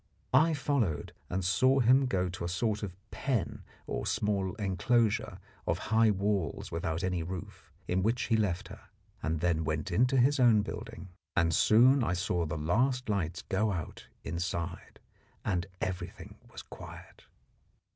I followed and saw him go to a sort of pen, or a small enclosure of high walls without any roof, in which he left her, and then went in to his own building. And soon I saw the last lights go out inside and everything was quiet.